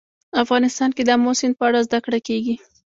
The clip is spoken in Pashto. افغانستان کې د آمو سیند په اړه زده کړه کېږي.